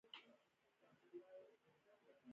آیا کانکور د کار بازار سره برابر دی؟